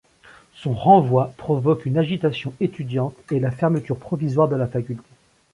Son renvoi provoque une agitation étudiante et la fermeture provisoire de la faculté.